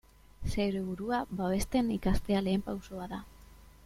Zeure burua babesten ikastea lehen pausoa da.